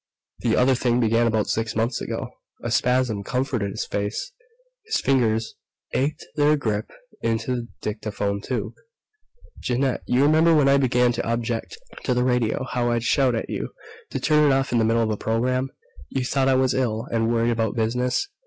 "The other thing began about six months ago." A spasm contorted his face. His fingers ached their grip into the dictaphone tube. "Jeannette, you remember when I began to object to the radio, how I'd shout at you to turn it off in the middle of a program? You thought I was ill, and worried about business....